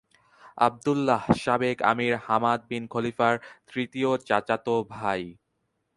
আবদুল্লাহ, সাবেক আমীর Hamad bin খলিফার তৃতীয় চাচাতো ভাই।